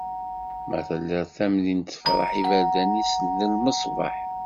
Ma telliḍ tamdint tefreḥ, iberdan-is d lmesbaḥ.